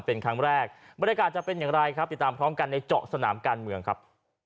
เป็นครั้งแรกบรรยากาศจะเป็นอย่างไรครับติดตามพร้อมกันในเจาะสนามการเมืองครับ